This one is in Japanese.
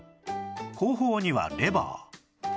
後方にはレバー